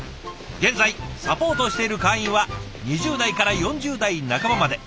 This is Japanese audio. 現在サポートしている会員は２０代から４０代半ばまで。